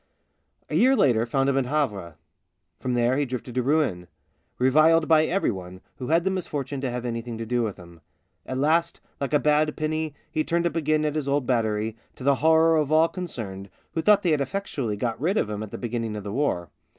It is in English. A year later found him at Havre. From there he drifted to Rouen — reviled by every one who had the misfortune to have anything to do with him. At last, like a bad penny, he turned up again at his old battery, to the horror of all concerned, who thought they had effectually got rid of him at the be ginning of the war.